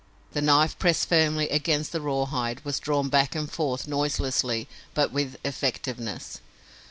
The knife pressed firmly against the rawhide was drawn back and forth noiselessly but with effectiveness.